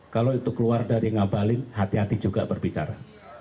kalau itu keluar dari ngabalin hati hati juga berbicara